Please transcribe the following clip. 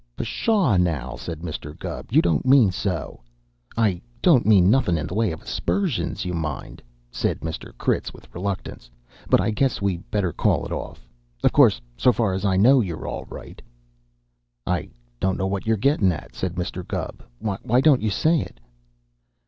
"Pshaw, now!" said Mr. Gubb. "You don't mean so!" "I don't mean nothing in the way of aspersions, you mind," said Mr. Critz with reluctance, "but I guess we better call it off. Of course, so far as I know, you are all right " "I don't know what you're gettin' at," said Mr. Gubb. "Why don't you say it?"